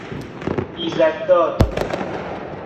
ایزدداد